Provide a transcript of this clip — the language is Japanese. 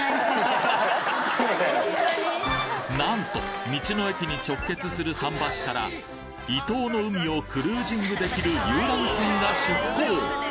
なんと道の駅に直結する桟橋から伊東の海をクルージングできる遊覧船が出航！